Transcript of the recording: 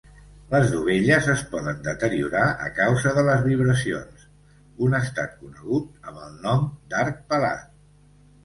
Les dovelles es poden deteriorar a causa de les vibracions, un estat conegut amb el nom d'arc pelat.